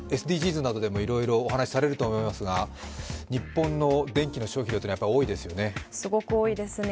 ＳＤＧｓなどでもいろいろお話されると思いますが日本の電気の消費量というのは、やっぱり多いですよね。